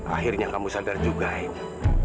akhirnya kamu sadar juga ini